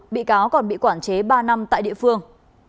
bị cáo còn bị quản chế ba năm tại địa phương